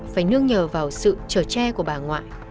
phải nương nhờ vào sự chở tre của bà ngoại